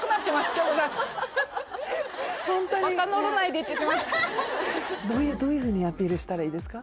京子さん分からって言ってましたどういうふうにアピールしたらいいですか？